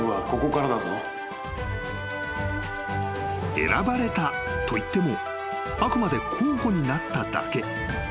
［選ばれたといってもあくまで候補になっただけ］